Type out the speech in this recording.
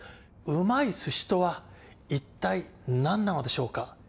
旨い鮨とは一体何なのでしょうか。